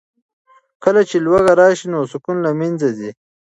کله چې لوږه راشي نو سکون له منځه ځي.